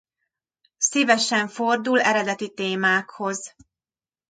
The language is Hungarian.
Szívesen fordul eredeti témákhoz.